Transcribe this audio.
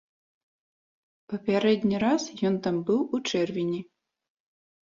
Папярэдні раз ён там быў у чэрвені.